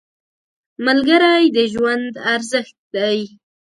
ملګری د ژوند ارزښت دی